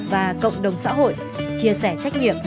và cộng đồng xã hội chia sẻ trách nhiệm